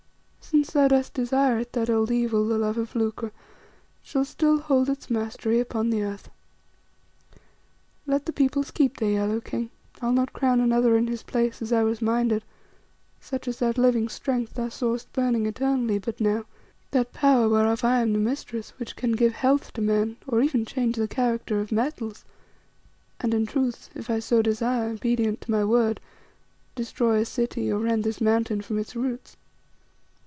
Since thou dost desire it, that old evil, the love of lucre, shall still hold its mastery upon the earth. Let the peoples keep their yellow king, I'll not crown another in his place, as I was minded such as that living Strength thou sawest burning eternally but now; that Power whereof I am the mistress, which can give health to men, or even change the character of metals, and in truth, if I so desire, obedient to my word, destroy a city or rend this Mountain from its roots.